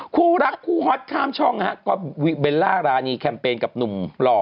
คู่รักคู่ฮอตข้ามช่องฮะก็เบลล่ารานีแคมเปญกับหนุ่มหล่อ